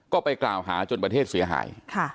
ก็ไปกล่าวหาจนประเทศเสียหาย